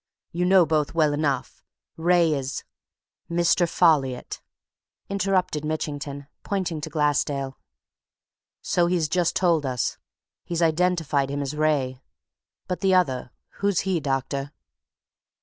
You know both well enough. Wraye is " "Mr. Folliot!" interrupted Mitchington, pointing to Glassdale. "So he's just told us; he's identified him as Wraye. But the other who's he, doctor?"